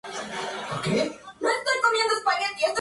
Se expone en el Museo de Zaragoza.